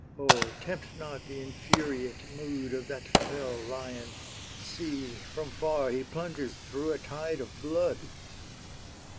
O tempt not the infuriate mood Of that fell lion! see! from far He plunges through a tide of blood!"